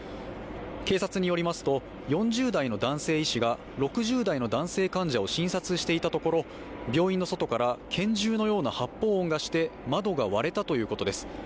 警察によりますと、４０代の男性医師が６０代の男性患者を診察していたところ、病院の外から拳銃のような発砲音がして窓が割れたということです。